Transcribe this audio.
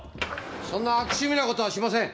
そんな悪趣味な事はしません。